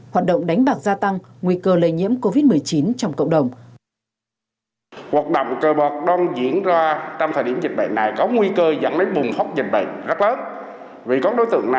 hoạt động đánh bạc gia tăng nguy cơ lây nhiễm covid một mươi chín trong cộng đồng